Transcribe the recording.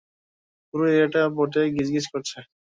পুরো এরিয়াটা বটে গিজগিজ করছে।